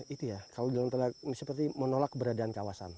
itu ya kalau di dalam teleg seperti menolak keberadaan kawasan